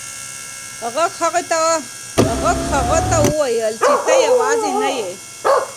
غږ هغه ته وویل چې ته یوازې نه یې.